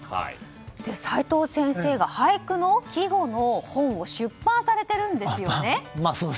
齋藤先生が俳句の季語の本を出版されてるんですよね。